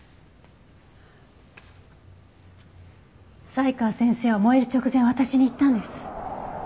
才川先生は燃える直前私に言ったんです。